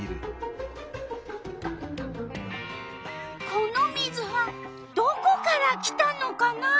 この水はどこから来たのかなあ？